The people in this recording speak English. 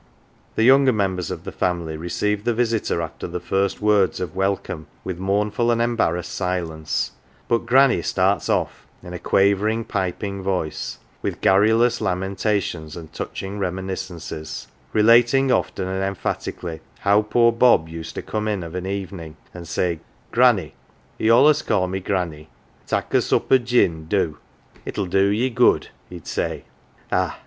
The younger members of the family receive the visitor after the first words of welcome with mournful and embarrassed silence, but Granny starts off, in a 213 HERE AND THERE quavering, piping voice, with garrulous lamentations and touching reminiscences ; relating often and empha tically how poor Bob used to come in of an evenin' an 1 say, "'Granny' (he allus called me Granny), ' tak' a sup o' gin, do. It'll do ye good, 1 he'd say. Ah